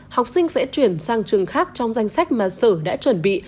học sinh sẽ chuyển sang trường khác trong danh sách mà sở đã chuẩn bị